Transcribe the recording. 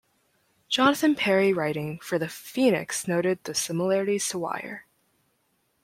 Jonathan Perry writing for "The Phoenix" noted the similarities to Wire.